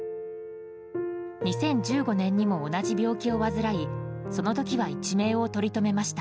２０１５年にも同じ病気を患いその時は一命を取り留めました。